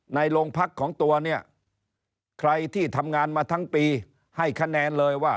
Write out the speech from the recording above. ในโรงพักของตัวเนี่ยใครที่ทำงานมาทั้งปีให้คะแนนเลยว่า